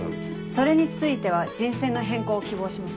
それについては人選の変更を希望します。